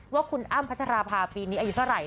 ว่าคุณอ้ำพัชราภาปีนี้อายุเท่าไหร